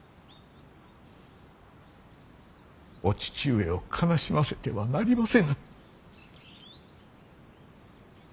お父上を悲しませてはなりませぬ。